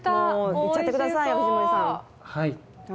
いっちゃってください、藤森さん。